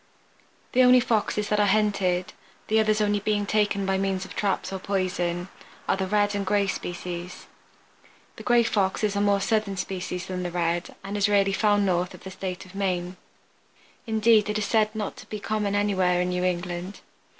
The only Foxes that are hunted (the others only being taken by means of traps or poison) are the Red and Gray species. The Gray Fox is a more southern species than the Red and is rarely found north of the state of Maine. Indeed it is said to be not common anywhere in New England.